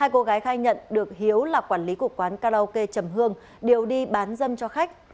hai cô gái khai nhận được hiếu là quản lý của quán karaoke chầm hương đều đi bán dâm cho khách